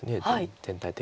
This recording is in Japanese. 全体的に。